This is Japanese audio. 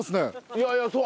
いやいやそう！